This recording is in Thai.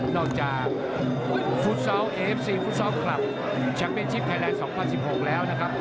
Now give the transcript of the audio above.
จากฟุตซอลเอฟซีฟุตซอลคลับแชมป์เป็นชิปไทยแลนด์๒๐๑๖แล้วนะครับ